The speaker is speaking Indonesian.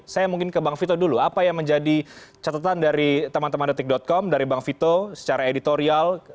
saya mungkin ke bang vito dulu apa yang menjadi catatan dari teman teman detik com dari bang vito secara editorial